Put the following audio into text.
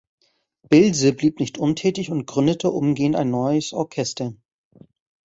Bilse blieb nicht untätig und gründete umgehend ein neues Orchester.